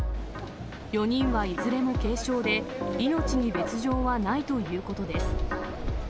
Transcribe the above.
４人はいずれも軽傷で、命に別状はないということです。